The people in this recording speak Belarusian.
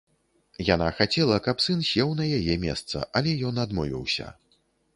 Яна хацела, каб сын сеў на яе месца, але ён адмовіўся.